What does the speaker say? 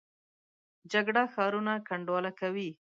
جګړه ښارونه کنډواله کوي